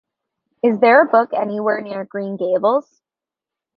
Is there a brook anywhere near Green Gables?